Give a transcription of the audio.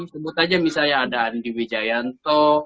sebut aja misalnya ada andi wijayanto